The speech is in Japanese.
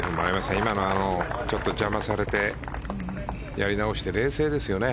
今のちょっと邪魔されてやり直して、冷静ですよね。